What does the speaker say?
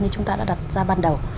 như chúng ta đã đặt ra ban đầu